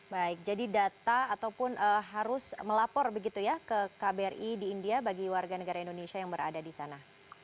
baik jadi data ataupun harus melapor begitu ya ke kbri di india bagi warga negara indonesia yang berada di sana